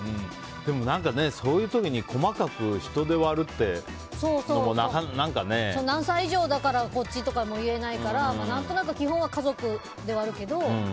でも、そういう時に細かく人で割るって何歳以上だからこっちとか言えないから何となく基本は家族で割るけど。